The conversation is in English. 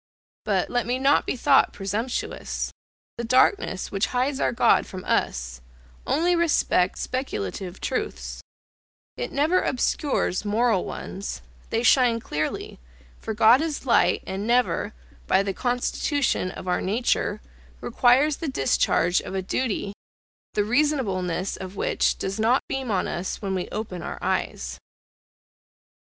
But, let me not be thought presumptuous, the darkness which hides our God from us, only respects speculative truths it never obscures moral ones, they shine clearly, for God is light, and never, by the constitution of our nature, requires the discharge of a duty, the reasonableness of which does not beam on us when we open our eyes.